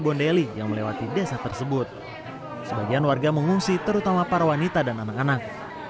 bondeli yang melewati desa tersebut sebagian warga mengungsi terutama para wanita dan anak anak